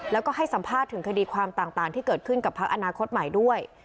แล้วก็ให้สัมภาษณ์ถึงคดีความต่างที่เกิดขึ้นกับพักอนาคตใหม่ด้วย